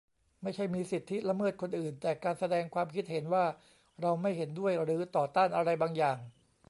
ไม่ใช่มีสิทธิละเมิดคนอื่น แต่การแสดงความคิดเห็นว่าเราไม่เห็นด้วยหรือต่อต้านอะไรบางอย่าง